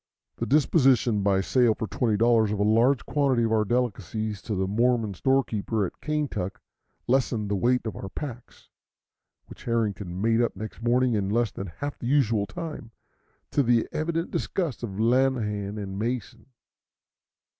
The disposition by sale for $20 of a large quantity of our delicacies to the Mormon storekeeper at Kaintuck lessened the weight of our packs, which Harrington made up next morning in less than half the usual time, to the evident disgust of Lanahan and Mason.